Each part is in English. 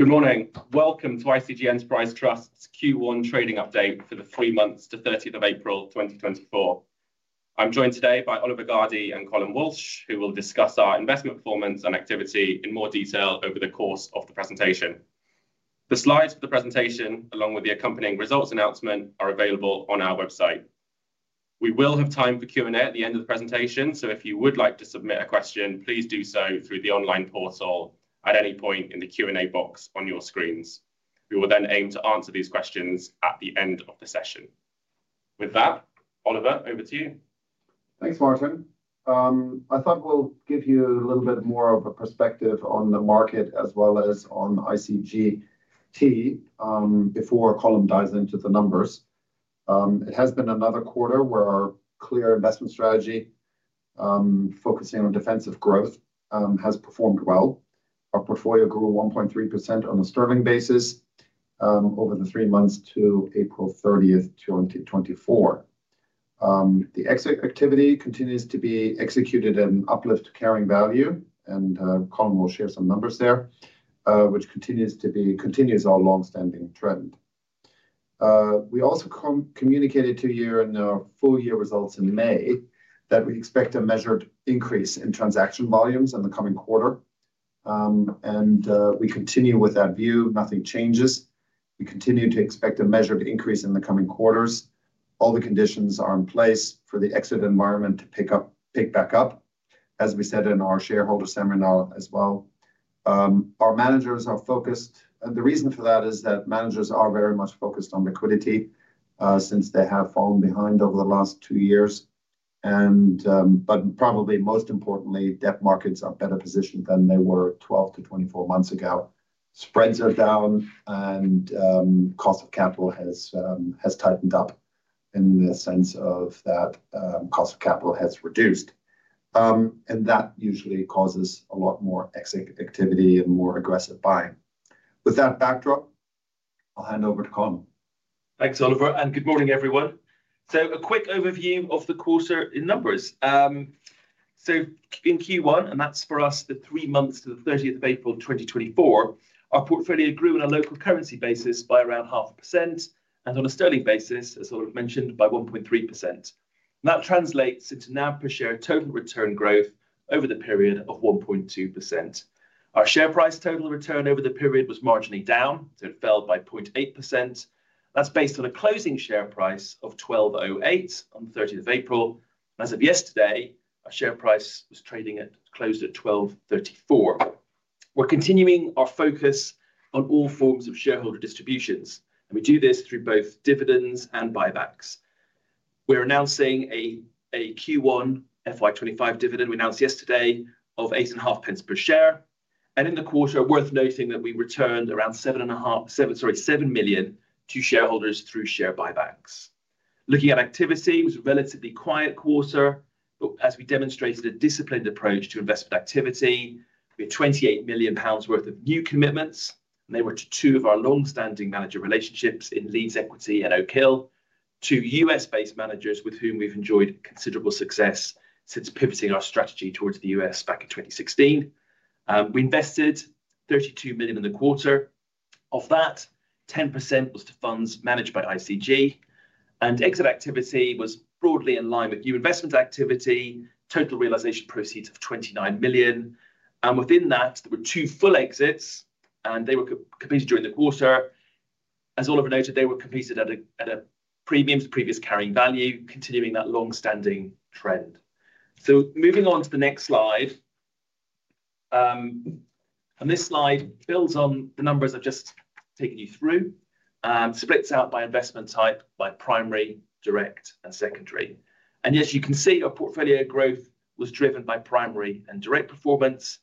Good morning. Welcome to ICG Enterprise Trust's Q1 trading update for the three months to 30th of April 2024. I'm joined today by Oliver Gardey and Colm Walsh, who will discuss our investment performance and activity in more detail over the course of the presentation. The slides for the presentation, along with the accompanying results announcement, are available on our website. We will have time for Q&A at the end of the presentation, so if you would like to submit a question, please do so through the online portal at any point in the Q&A box on your screens. We will then aim to answer these questions at the end of the session. With that, Oliver, over to you. Thanks, Martin. I thought we'll give you a little bit more of a perspective on the market as well as on ICGT, before Colin dives into the numbers. It has been another quarter where our clear investment strategy, focusing on defensive growth, has performed well. Our portfolio grew 1.3% on a sterling basis, over the three months to April 30, 2024. The exit activity continues to be executed in uplift carrying value, and Colin will share some numbers there, which continues our long-standing trend. We also communicated to you in our full year results in May, that we expect a measured increase in transaction volumes in the coming quarter. We continue with that view. Nothing changes. We continue to expect a measured increase in the coming quarters. All the conditions are in place for the exit environment to pick up, pick back up, as we said in our shareholder seminar as well. Our managers are focused, and the reason for that is that managers are very much focused on liquidity, since they have fallen behind over the last two years. And, but probably most importantly, debt markets are better positioned than they were 12-24 months ago. Spreads are down and, cost of capital has, has tightened up in the sense of that, cost of capital has reduced. And that usually causes a lot more exit activity and more aggressive buying. With that backdrop, I'll hand over to Colin. Thanks, Oliver, and good morning, everyone. So a quick overview of the quarter in numbers. So in Q1, and that's for us, the three months to the 30th of April, 2024, our portfolio grew on a local currency basis by around 0.5%, and on a sterling basis, as Oliver mentioned, by 1.3%. That translates into NAV per share total return growth over the period of 1.2%. Our share price total return over the period was marginally down, so it fell by 0.8%. That's based on a closing share price of 1,208 on the 30th of April. As of yesterday, our share price was trading at, closed at 1,234. We're continuing our focus on all forms of shareholder distributions, and we do this through both dividends and buybacks. We're announcing a Q1 FY25 dividend we announced yesterday of 0.085 per share. In the quarter, worth noting that we returned around seven and a half, seven, sorry, seven million to shareholders through share buybacks. Looking at activity, it was a relatively quiet quarter, but as we demonstrated, a disciplined approach to investment activity. We had 28 million pounds worth of new commitments, and they were to two of our long-standing manager relationships in Leeds Equity and Oak Hill, two U.S.-based managers with whom we've enjoyed considerable success since pivoting our strategy towards the U.S. back in 2016. We invested 32 million in the quarter. Of that, 10% was to funds managed by ICG, and exit activity was broadly in line with new investment activity. Total realization proceeds of 29 million, and within that, there were 2 full exits, and they were completed during the quarter. As Oliver noted, they were completed at a premium to previous carrying value, continuing that long-standing trend. So moving on to the next slide. And this slide builds on the numbers I've just taken you through, splits out by investment type, by primary, direct, and secondary. And as you can see, our portfolio growth was driven by primary and direct performance.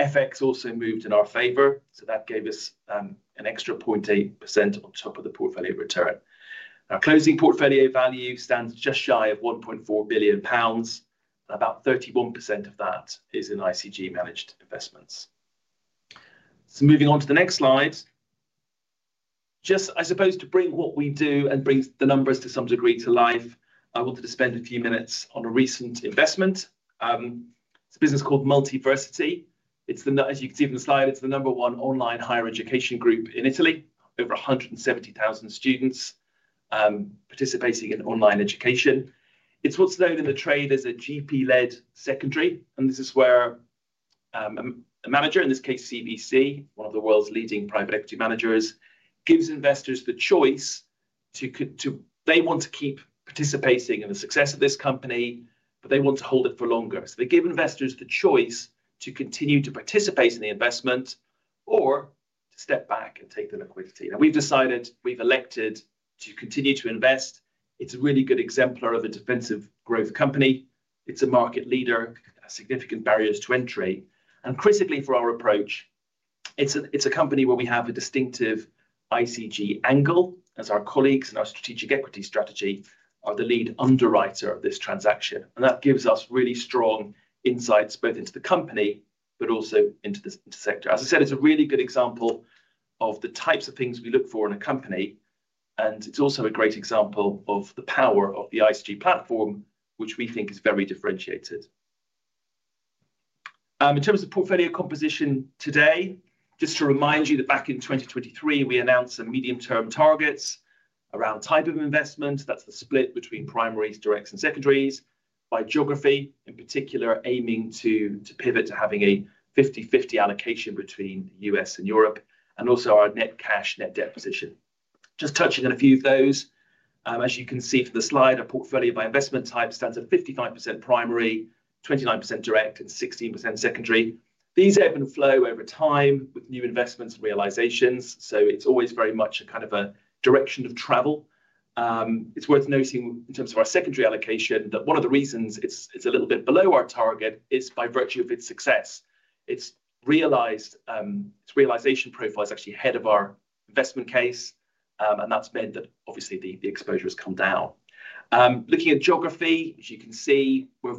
FX also moved in our favor, so that gave us, an extra 0.8% on top of the portfolio return. Our closing portfolio value stands just shy of 1.4 billion pounds, and about 31% of that is in ICG-managed investments. So moving on to the next slide. Just, I suppose, to bring what we do and bring the numbers to some degree to life, I wanted to spend a few minutes on a recent investment. It's a business called Multiversity. As you can see from the slide, it's the number one online higher education group in Italy. Over 170,000 students participating in online education. It's what's known in the trade as a GP-led secondary, and this is where a manager, in this case, CVC, one of the world's leading private equity managers, gives investors the choice. They want to keep participating in the success of this company, but they want to hold it for longer. So they give investors the choice to continue to participate in the investment or to step back and take the liquidity. Now, we've decided, we've elected to continue to invest. It's a really good exemplar of a defensive growth company. It's a market leader, significant barriers to entry, and critically for our approach, it's a, it's a company where we have a distinctive ICG angle, as our colleagues and our strategic equity strategy are the lead underwriter of this transaction. And that gives us really strong insights both into the company, but also into the sector. As I said, it's a really good example of the types of things we look for in a company, and it's also a great example of the power of the ICG platform, which we think is very differentiated. In terms of portfolio composition today, just to remind you that back in 2023, we announced some medium-term targets around type of investment. That's the split between primaries, directs and secondaries. By geography, in particular, aiming to, to pivot to having a 50/50 allocation between U.S. and Europe, and also our net cash, net debt position. Just touching on a few of those. As you can see from the slide, our portfolio by investment type stands at 59% primary, 29% direct, and 16% secondary. These ebb and flow over time with new investments and realizations, so it's always very much a kind of a direction of travel. It's worth noting in terms of our secondary allocation, that one of the reasons it's, it's a little bit below our target is by virtue of its success. It's realized, its realization profile is actually ahead of our investment case, and that's meant that obviously the, the exposure has come down. Looking at geography, as you can see, we're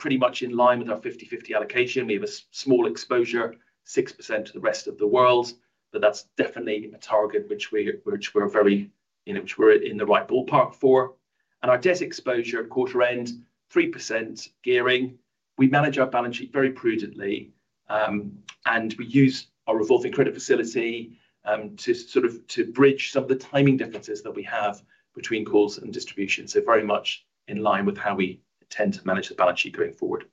pretty much in line with our 50/50 allocation. We have a small exposure, 6% to the rest of the world, but that's definitely a target which we, which we're very, you know, which we're in the right ballpark for. And our debt exposure at quarter end, 3% gearing. We manage our balance sheet very prudently, and we use our revolving credit facility, to sort of, to bridge some of the timing differences that we have between calls and distributions, so very much in line with how we intend to manage the balance sheet going forward.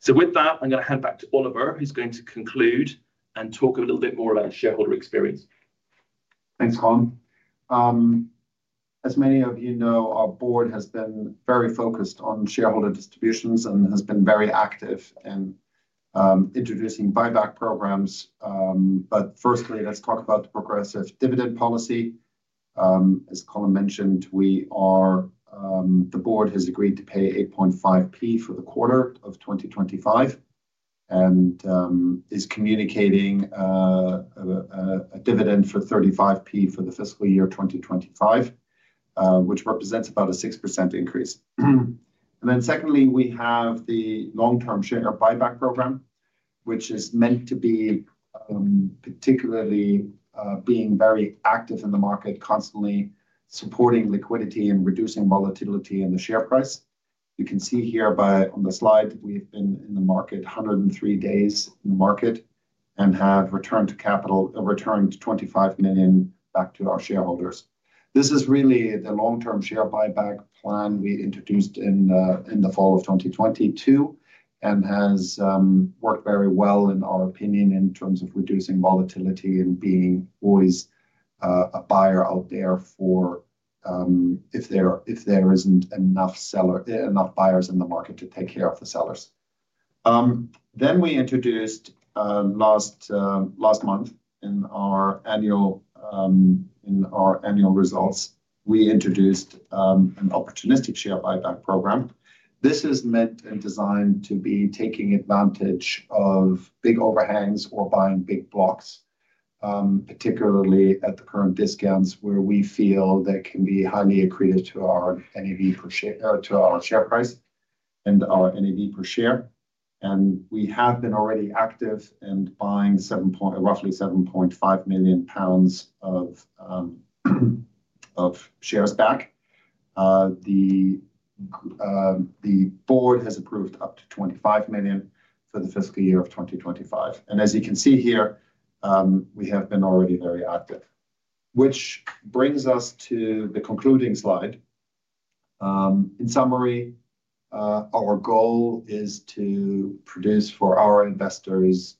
So with that, I'm going to hand back to Oliver, who's going to conclude and talk a little bit more about shareholder experience. Thanks, Colin. As many of you know, our board has been very focused on shareholder distributions and has been very active in, introducing buyback programs. But firstly, let's talk about the progressive dividend policy. As Colin mentioned, we are, the board has agreed to pay 0.085 for the quarter of 2025, and, is communicating, a dividend for 0.35 for the fiscal year 2025, which represents about a 6% increase. And then secondly, we have the long-term share buyback program, which is meant to be, particularly, being very active in the market, constantly supporting liquidity and reducing volatility in the share price. You can see here by, on the slide, that we've been in the market, 103 days in the market, and have returned to capital, a return to 25 million back to our shareholders. This is really the long-term share buyback plan we introduced in the, in the fall of 2022, and has worked very well, in our opinion, in terms of reducing volatility and being always a buyer out there for, if there, if there isn't enough seller... enough buyers in the market to take care of the sellers. Then we introduced last month, in our annual, in our annual results, we introduced an opportunistic share buyback program. This is meant and designed to be taking advantage of big overhangs or buying big blocks, particularly at the current discounts, where we feel that can be highly accretive to our NAV per share, to our share price and our NAV per share. And we have been already active in buying roughly 7.5 million pounds of shares back. The board has approved up to 25 million for the fiscal year of 2025. And as you can see here, we have been already very active. Which brings us to the concluding slide. In summary, our goal is to produce for our investors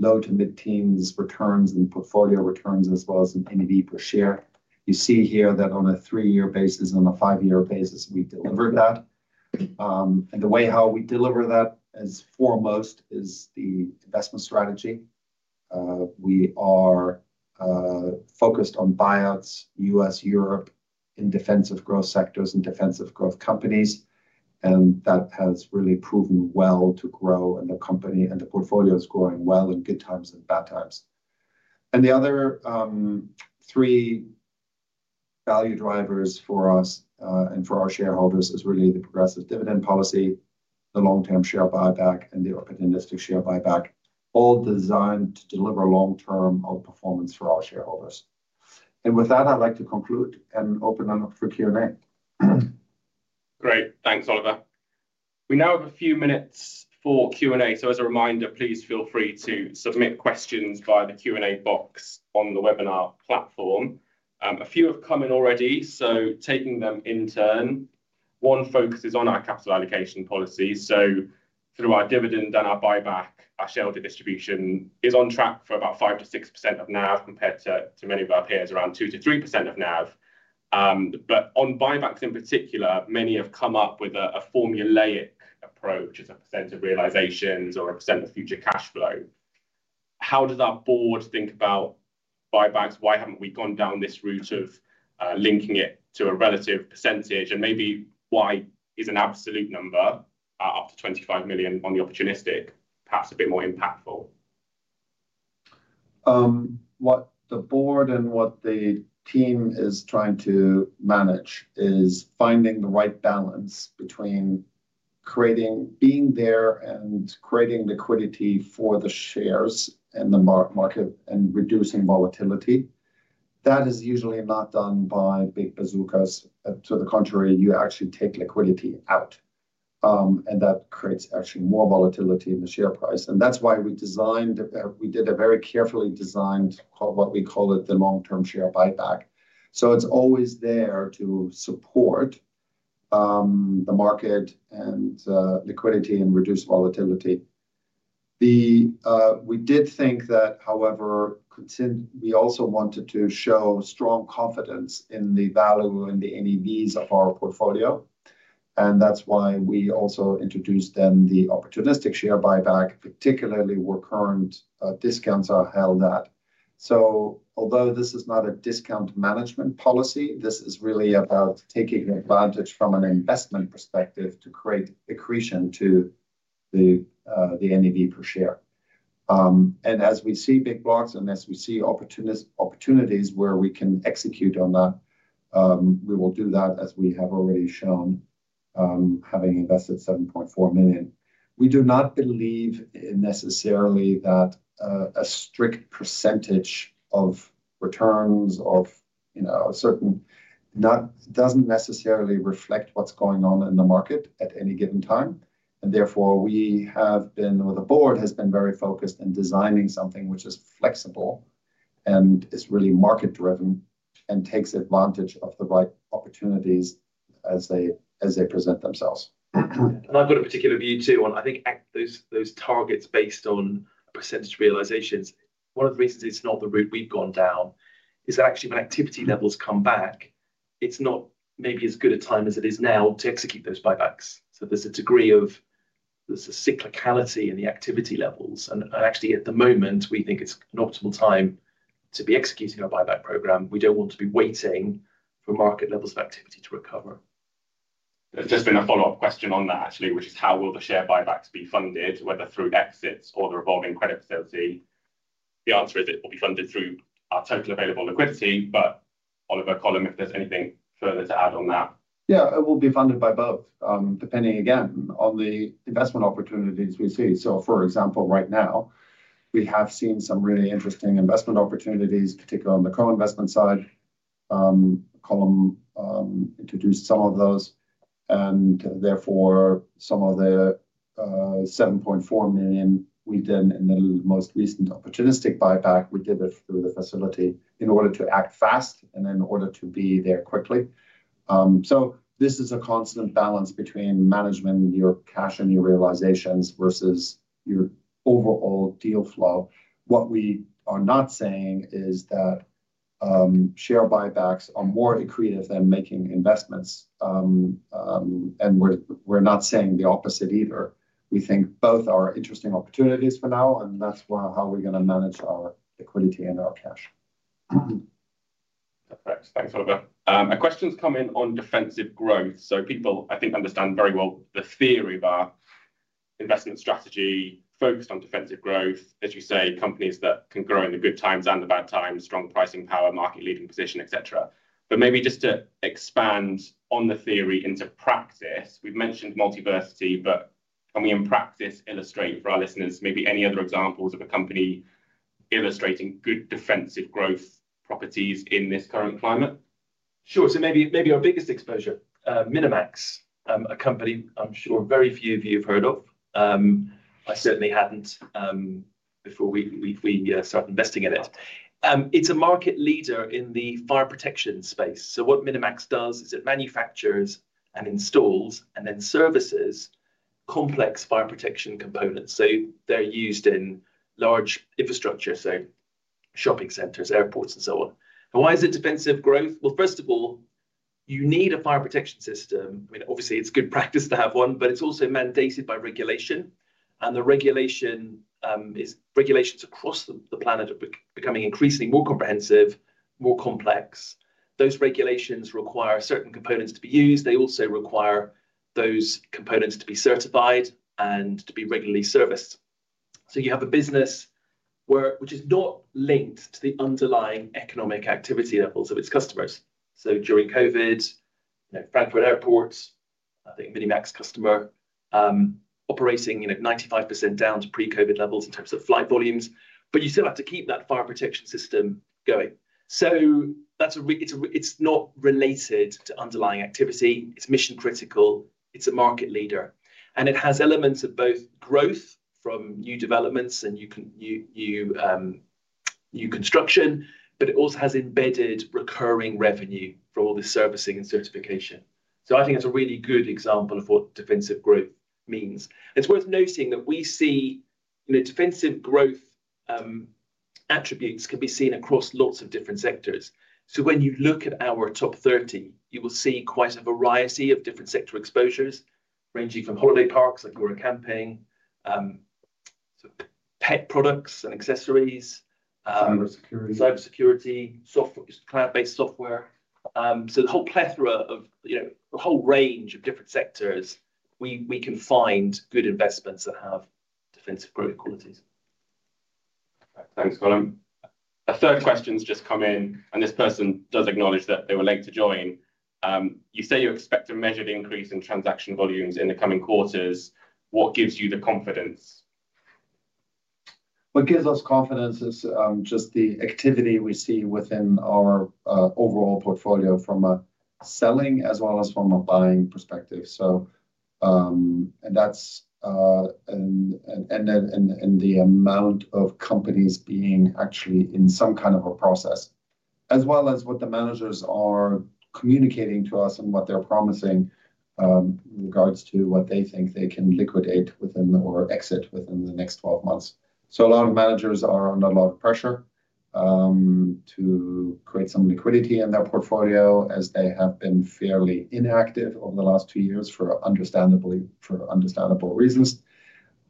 low to mid-teens returns and portfolio returns, as well as in NAV per share. You see here that on a 3-year basis and on a 5-year basis, we delivered that. And the way how we deliver that as foremost is the investment strategy. We are focused on buyouts, U.S., Europe, in defensive growth sectors and defensive growth companies, and that has really proven well to grow, and the company and the portfolio is growing well in good times and bad times. The other three value drivers for us and for our shareholders is really the progressive dividend policy, the long-term share buyback, and the opportunistic share buyback, all designed to deliver long-term outperformance for our shareholders. With that, I'd like to conclude and open them up for Q&A. Great. Thanks, Oliver. We now have a few minutes for Q&A, so as a reminder, please feel free to submit questions via the Q&A box on the webinar platform. A few have come in already, so taking them in turn. One focuses on our capital allocation policy. So through our dividend and our buyback, our shareholder distribution is on track for about 5%-6% of NAV, compared to many of our peers, around 2%-3% of NAV. But on buybacks in particular, many have come up with a formulaic approach as a percent of realizations or a percent of future cash flow. How does our board think about buybacks? Why haven't we gone down this route of linking it to a relative percentage? Maybe why is an absolute number up to 25 million on the opportunistic, perhaps a bit more impactful? What the board and what the team is trying to manage is finding the right balance between creating, being there, and creating liquidity for the shares in the market and reducing volatility. That is usually not done by big bazookas. To the contrary, you actually take liquidity out, and that creates actually more volatility in the share price. And that's why we designed, we did a very carefully designed, called, what we call it, the long-term share buyback. So it's always there to support the market and liquidity and reduce volatility. We did think that, however, we also wanted to show strong confidence in the value in the NAVs of our portfolio, and that's why we also introduced then the opportunistic share buyback, particularly where current discounts are held at. So although this is not a discount management policy, this is really about taking advantage from an investment perspective to create accretion to the NAV per share. And as we see big blocks and as we see opportunities where we can execute on that, we will do that, as we have already shown, having invested 7.4 million. We do not believe necessarily that a strict percentage of returns of, you know, a certain... Doesn't necessarily reflect what's going on in the market at any given time, and therefore, we have been, or the board has been very focused in designing something which is flexible and is really market-driven and takes advantage of the right opportunities as they, as they present themselves. I've got a particular view, too, on, I think, those targets based on percentage realizations. One of the reasons it's not the route we've gone down is that actually, when activity levels come back, it's not maybe as good a time as it is now to execute those buybacks. So there's a degree of... There's a cyclicality in the activity levels. And actually, at the moment, we think it's an optimal time to be executing our buyback program. We don't want to be waiting for market levels of activity to recover. There's just been a follow-up question on that, actually, which is: How will the share buybacks be funded, whether through exits or the revolving credit facility? The answer is, it will be funded through our total available liquidity. But Oliver, Colin, if there's anything further to add on that. Yeah, it will be funded by both, depending, again, on the investment opportunities we see. So, for example, right now, we have seen some really interesting investment opportunities, particularly on the co-investment side. Colin introduced some of those, and therefore, some of the 7.4 million we did in the most recent opportunistic buyback, we did it through the facility in order to act fast and in order to be there quickly. So this is a constant balance between management, your cash, and your realizations versus your overall deal flow. What we are not saying is that share buybacks are more accretive than making investments. And we're not saying the opposite, either. We think both are interesting opportunities for now, and that's how we're going to manage our liquidity and our cash. Perfect. Thanks, Oliver. A question's come in on defensive growth. So people, I think, understand very well the theory of our investment strategy focused on defensive growth. As you say, companies that can grow in the good times and the bad times, strong pricing power, market-leading position, et cetera. But maybe just to expand on the theory into practice, we've mentioned Multiversity, but can we, in practice, illustrate for our listeners maybe any other examples of a company illustrating good defensive growth properties in this current climate? Sure. So maybe, maybe our biggest exposure, Minimax, a company I'm sure very few of you have heard of. I certainly hadn't before we started investing in it. It's a market leader in the fire protection space. So what Minimax does is it manufactures and installs and then services complex fire protection components. So they're used in large infrastructure, so shopping centers, airports, and so on. And why is it defensive growth? Well, first of all, you need a fire protection system. I mean, obviously, it's good practice to have one, but it's also mandated by regulation, and the regulation is. Regulations across the planet are becoming increasingly more comprehensive, more complex. Those regulations require certain components to be used. They also require those components to be certified and to be regularly serviced. So you have a business which is not linked to the underlying economic activity levels of its customers. So during COVID, you know, Frankfurt Airport, I think Minimax customer, operating, you know, 95% down to pre-COVID levels in terms of flight volumes, but you still have to keep that fire protection system going. So that's not related to underlying activity. It's mission-critical, it's a market leader, and it has elements of both growth from new developments and new construction, but it also has embedded recurring revenue for all the servicing and certification. So I think it's a really good example of what defensive growth means. It's worth noting that we see. You know, defensive growth attributes can be seen across lots of different sectors. When you look at our top 30, you will see quite a variety of different sector exposures, ranging from holiday parks, like European Camping, so pet products and accessories, Cybersecurity. Cybersecurity, software, cloud-based software. So the whole plethora of, you know, the whole range of different sectors, we can find good investments that have defensive growth qualities. Thanks, Colin. A third question's just come in, and this person does acknowledge that they were late to join. You say you expect a measured increase in transaction volumes in the coming quarters. What gives you the confidence? What gives us confidence is just the activity we see within our overall portfolio from a selling as well as from a buying perspective. So, and that's the amount of companies being actually in some kind of a process, as well as what the managers are communicating to us and what they're promising in regards to what they think they can liquidate within or exit within the next 12 months. So a lot of managers are under a lot of pressure to create some liquidity in their portfolio, as they have been fairly inactive over the last two years for understandable reasons.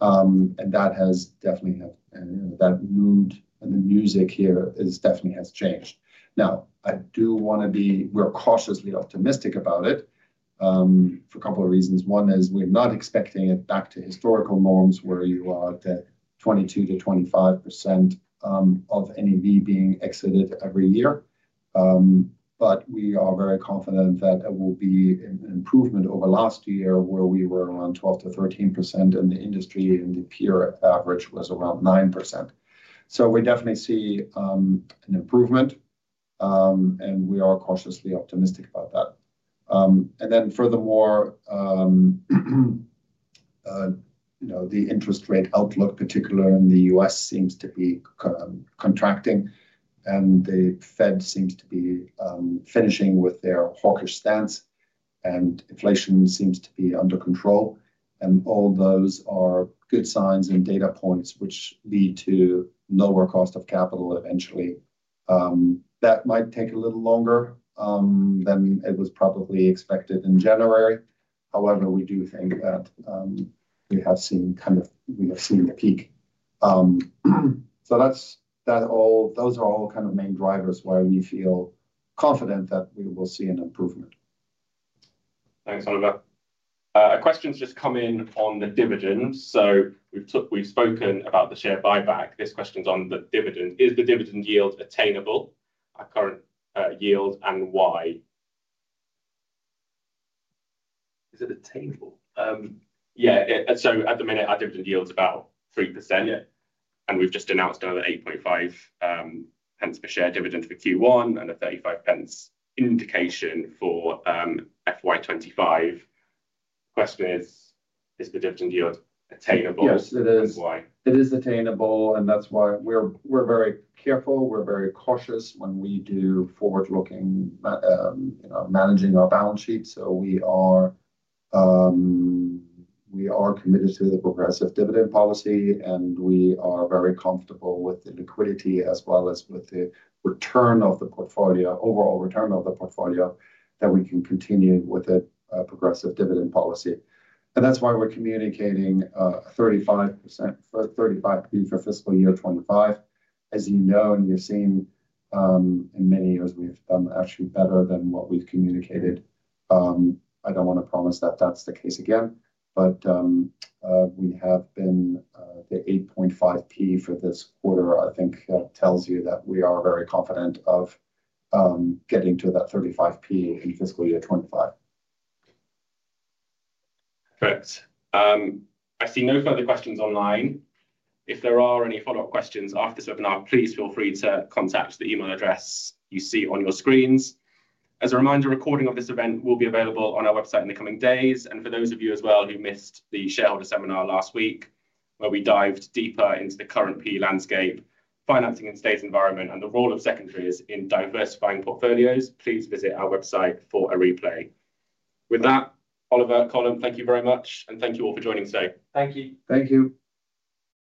And that has definitely. And that mood and the music here is definitely has changed. Now, I do want to be we're cautiously optimistic about it for a couple of reasons. One is we're not expecting it back to historical norms, where you are at 22%-25% of NAV being exited every year. But we are very confident that it will be an improvement over last year, where we were around 12%-13% in the industry, and the peer average was around 9%. So we definitely see an improvement, and we are cautiously optimistic about that. And then furthermore, you know, the interest rate outlook, particularly in the US, seems to be contracting, and the Fed seems to be finishing with their hawkish stance, and inflation seems to be under control. And all those are good signs and data points which lead to lower cost of capital eventually. That might take a little longer than it was probably expected in January. However, we do think that we have seen the peak. So those are all kind of main drivers why we feel confident that we will see an improvement. Thanks, Oliver. A question's just come in on the dividend. So we've spoken about the share buyback. This question's on the dividend. Is the dividend yield attainable, our current yield, and why? Is it attainable? Yeah. Yeah, so at the minute, our dividend yield is about 3%. Yeah. And we've just announced another 0.085 per share dividend for Q1, and a 0.35 indication for FY 2025. Question is: Is the dividend yield attainable- Yes, it is. And why? It is attainable, and that's why we're very careful, we're very cautious when we do forward-looking managing our balance sheet. So we are committed to the progressive dividend policy, and we are very comfortable with the liquidity as well as with the return of the portfolio, overall return of the portfolio, that we can continue with a progressive dividend policy. And that's why we're communicating 35%... 0.35 for fiscal year 2025. As you know, and you've seen, in many years, we've done actually better than what we've communicated. I don't want to promise that that's the case again, but we have been the 0.085 for this quarter, I think that tells you that we are very confident of getting to that 0.35 in fiscal year 2025. Perfect. I see no further questions online. If there are any follow-up questions after this webinar, please feel free to contact the email address you see on your screens. As a reminder, a recording of this event will be available on our website in the coming days. For those of you as well who missed the shareholder seminar last week, where we dived deeper into the current PE landscape, financing and stakes environment, and the role of secondaries in diversifying portfolios, please visit our website for a replay. With that, Oliver, Colin, thank you very much, and thank you all for joining today. Thank you. Thank you.